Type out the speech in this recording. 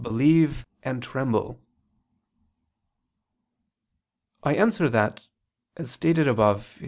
believe and tremble." I answer that, As stated above (Q.